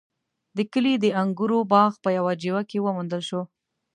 د کلي د انګورو باغ په يوه جیوه کې وموندل شو.